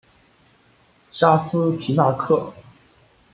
沙斯皮纳克。